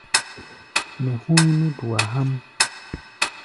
Mɛ hú̧í̧ nútua há̧ʼm.